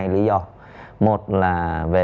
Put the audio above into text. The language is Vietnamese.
lý do một là về